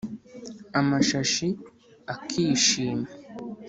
amashashi akishima